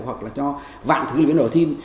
hoặc là cho vạn thứ biến đổi thiên